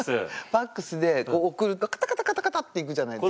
ファックスで送るとカタカタカタカタっていくじゃないですか。